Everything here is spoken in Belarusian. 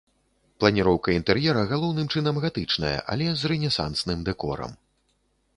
Планіроўка інтэр'ера галоўным чынам гатычная, але з рэнесансным дэкорам.